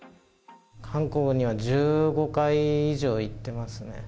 韓国には１５回以上行ってますね。